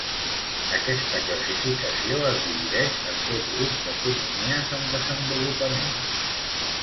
Aquesta classificació es divideix en dos grups d'economies en desenvolupament.